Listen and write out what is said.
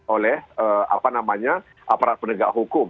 oleh apa namanya aparat penegak hukum